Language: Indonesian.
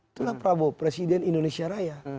itulah prabowo presiden indonesia raya